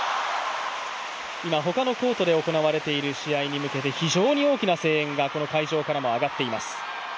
今、他のコートで行われている試合に向けて、非常に大きな声援がこの会場からも上がっています。